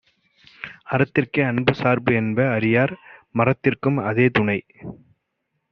அறத்திற்கே அன்புசார்பு என்ப அறியார்; மறத்திற்கும் அதே துணை.